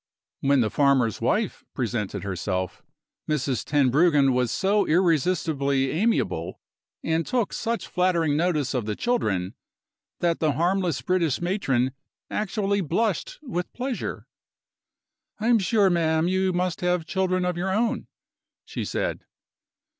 When the farmer's wife presented herself, Mrs. Tenbruggen was so irresistibly amiable, and took such flattering notice of the children, that the harmless British matron actually blushed with pleasure. "I'm sure, ma'am, you must have children of your own," she said.